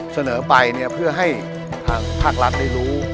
เสนอไปเนี่ยเพื่อให้ทางภาครัฐได้รู้